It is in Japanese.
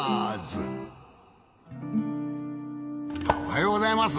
おはようございます。